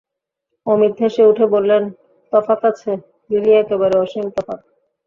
অমিত হেসে উঠে বললে, তফাত আছে, লিলি, একেবারে অসীম তফাত।